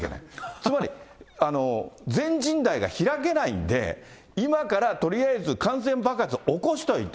つまり全人代が開けないんで、今からとりあえず感染爆発起こしといて、